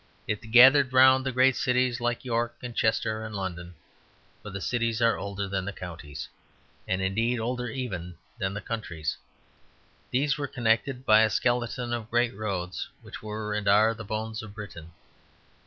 It gathered round the great cities like York and Chester and London; for the cities are older than the counties, and indeed older even than the countries. These were connected by a skeleton of great roads which were and are the bones of Britain.